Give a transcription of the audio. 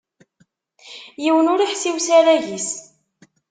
Yiwen ur iḥess i usarag-is.